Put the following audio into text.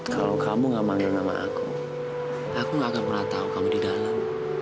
kalau kamu gak manggil nama aku aku gak akan pernah tahu kamu di dalam